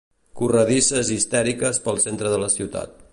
Corredisses histèriques pel centre de la ciutat.